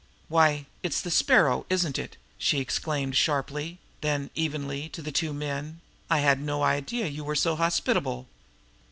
"Why, it's the Sparrow, isn't it?" she exclaimed sharply; then, evenly, to the two men: "I had no idea you were so hospitable!